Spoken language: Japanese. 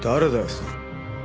それ。